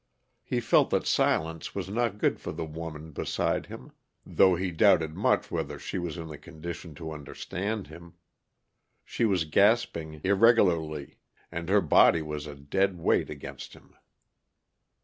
He felt that silence was not good for the woman beside him, though he doubted much whether she was in a condition to understand him. She was gasping irregularly, and her body was a dead weight against him.